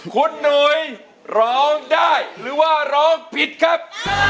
คุณหนุ่ยร้องได้หรือว่าร้องผิดครับ